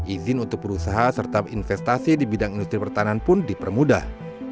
izin untuk berusaha serta investasi di bidang industri pertahanan pun dipermudah